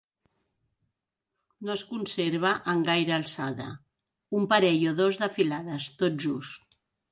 No es conserva en gaire alçada: un parell o dos de filades, tot just.